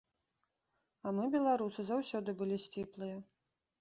А мы, беларусы, заўсёды былі сціплыя.